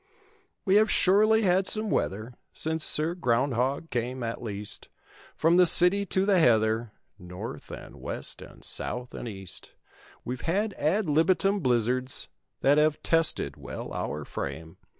We have surely had some weather, Since Sir Groundhog came, at least; From the city to the heather. North, and west and south and east. We've had ad libitum blizzards That have tested well our frame.